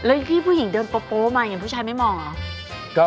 แล้วพี่ผู้หญิงเดินโป๊มาอย่างผู้ชายไม่เหมาะเหรอ